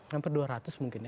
hampir dua ratus mungkin ya